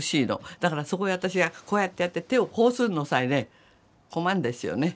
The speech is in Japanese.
だからそこへ私がこうやってやって手をこうするのさえね困るんですよね。